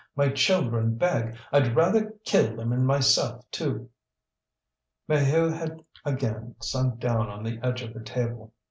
My children beg! I'd rather kill them and myself too." Maheu had again sunk down on the edge of the table.